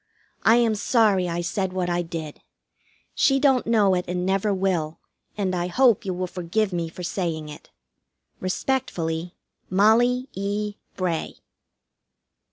I am sorry I said what I did. She don't know it and never will, and I hope you will forgive me for saying it. Respectfully, MOLLIE E. BRAY.